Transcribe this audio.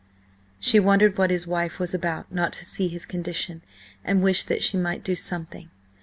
She wondered what his wife was about not to see his condition, and wished that she might do something.